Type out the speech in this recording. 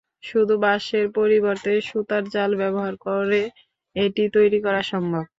শুধু বাঁশের পরিবর্তে সুতার জাল ব্যবহার করে এটি তৈরি করা সম্ভব।